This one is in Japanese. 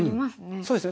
そうですね